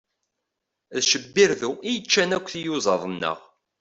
D cebbirdu i yeccan akk tiyuzaḍ-nneɣ.